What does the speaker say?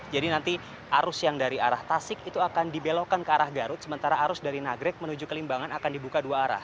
jadi nanti arus yang dari arah tasik itu akan dibelokkan ke arah garut sementara arus dari nagrek menuju ke limbangan akan dibuka dua arah